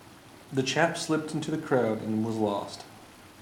The chap slipped into the crowd and was lost.